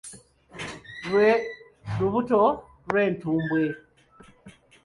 Lwe lubuto lw'entumbwe.